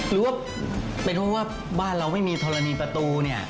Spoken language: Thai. หรือว่าเป็นเพราะว่าบ้านเราไม่มีธรณีประตูเนี่ย